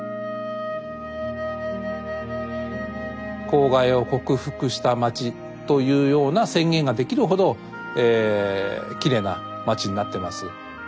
公害を克服した街というような宣言ができるほどきれいな街になってます。